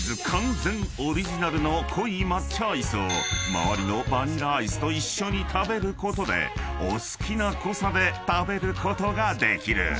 完全オリジナルの濃い抹茶アイスを周りのバニラアイスと一緒に食べることでお好きな濃さで食べることができる］